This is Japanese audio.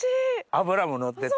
脂ものってて？